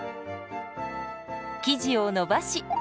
生地を伸ばし。